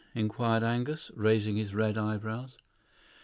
inquired Angus, raising his red eyebrows.